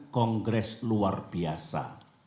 kongres luar biasa